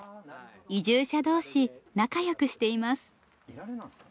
移住者同士仲良くしています。